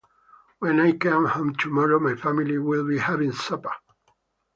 When I come home tomorrow, my family will be having supper.